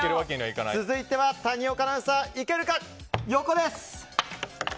続いては、谷岡アナウンサーいけるか？